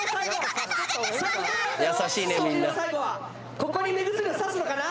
ここに目薬をさすのかな？